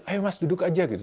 ayo mas duduk aja gitu